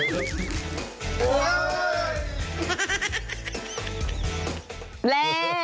และ